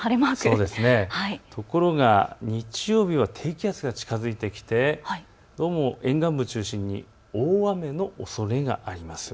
ところが日曜日は低気圧が近づいてきて沿岸部中心に大雨のおそれがあります。